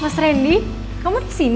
mas rendy kamu ke sin